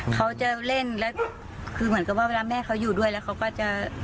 เขาจะเล่นแล้วคือเหมือนกับว่าเวลาแม่เขาอยู่ด้วยแล้วเขาก็จะ